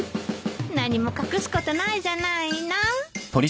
何も隠すことないじゃないの？